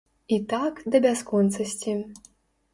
І так да бясконцасці.